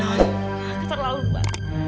aku terlalu lupa